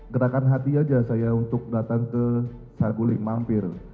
gerakan hati aja saya untuk datang ke saguling mampir